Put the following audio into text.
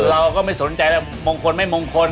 เราก็ไม่สนใจแล้วมงคลไม่มงคล